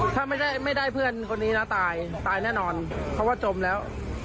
ถ้าไม่ได้เพื่อนคนนี้นะตายตายแน่นอนเพราะว่าจมแล้ว